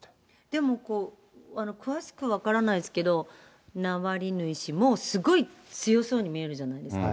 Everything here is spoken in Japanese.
でも、詳しくは分からないですけど、ナワリヌイ氏もすごい強そうに見えるじゃないですか。